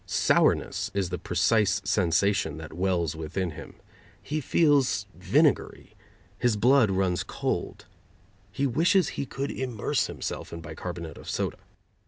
Sourness is the precise sensation that wells within him. He feels vinegary; his blood runs cold; he wishes he could immerse himself in bicarbonate of soda.